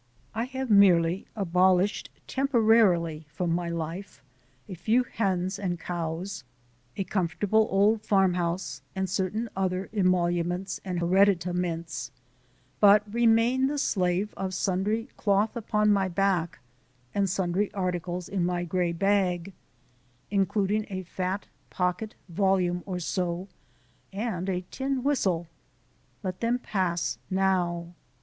I have merely abolished temporarily from my life a few hens and cows, a comfortable old farmhouse, and certain other emoluments and hereditaments but remain the slave of sundry cloth upon my back and sundry articles in my gray bag including a fat pocket volume or so, and a tin whistle. Let them pass now.